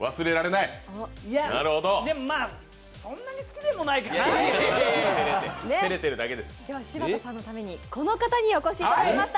いやでもまあそんなに好きでもないけど今日は柴田さんのためにこの方にお越しいただきました。